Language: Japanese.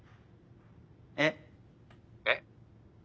えっ？えっ？